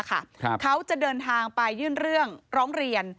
เขาจะเดินทางไปยื่นเรื่องร้องเรียน